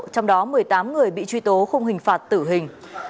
trong đó một mươi tám người bị truy tố không hình phạt tử hình